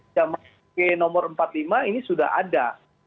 jaman pp nomor empat puluh lima ini sudah ada